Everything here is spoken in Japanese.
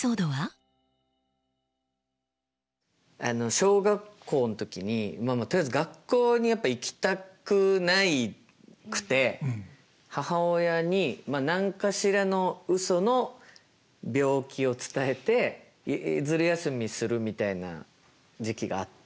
小学校の時にとりあえず学校にやっぱ行きたくなくて母親に何かしらのうその病気を伝えてずる休みするみたいな時期があって。